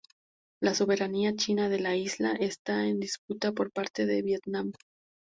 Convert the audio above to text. La soberanía china de la isla está en disputa por parte de Vietnam.